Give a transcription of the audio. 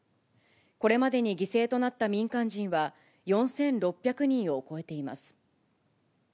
これまでに犠牲となった民間人は４６００人を超えています。